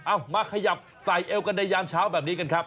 เอามาขยับใส่เอวกันในยามเช้าแบบนี้กันครับ